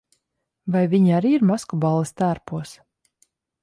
Vai viņi arī ir maskuballes tērpos?